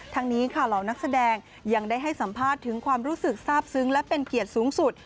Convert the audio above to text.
ทั้งนี้ค่ะเหล่านักแสดงยังได้ให้สัมภาษณ์ถึงความรู้สึกทราบซึ้งและเป็นเกียรติสูงสุด